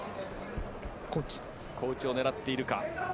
小内を狙っているか。